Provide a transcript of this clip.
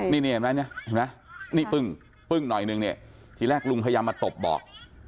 นี่เห็นไหมเนี่ยเห็นไหมนี่ปึ้งปึ้งหน่อยนึงเนี่ยทีแรกลุงพยายามมาตบบอก